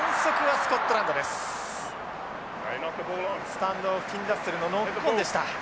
スタンドオフフィンラッセルのノックオンでした。